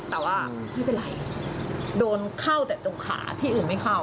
แต่ว่าไม่เป็นไรโดนเข้าแต่ตรงขาที่อื่นไม่เข้า